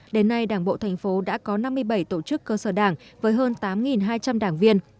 đến nay đảng bộ thành phố đã có năm mươi bảy tổ chức cơ sở đảng với hơn tám hai trăm linh đảng viên